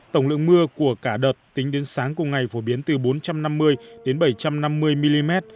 tổng lượng mưa của cả đợt tính đến sáng cùng ngày phổ biến từ bốn trăm năm mươi đến bảy trăm năm mươi mm